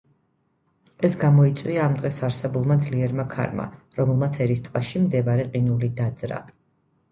ეს გამოიწვია ამ დღეს არსებულმა ძლიერმა ქარმა, რომელმაც ერის ტბაში მდებარე ყინული დაძრა.